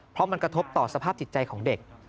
เพราะมันกระทบต่อสภาพจิตใจของเด็ก